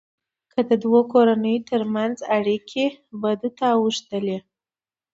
که د دوو کورنيو ترمنځ اړیکې بدو ته اوښتلې.